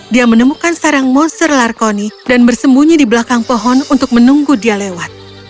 dia menemukan sarang monster larkoni dan bersembunyi di belakang pohon untuk menunggu dia lewat